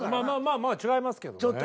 まあまあまあ違いますけどね。